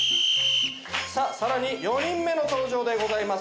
さあ更に４人目の登場でございます。